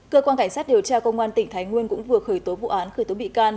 cơ quan cảnh sát điều tra công an tỉnh thái nguyên cũng vừa khởi tố vụ án khởi tố bị can